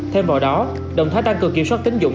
thêm vào đó động thái tăng cường kiểm soát tính dụng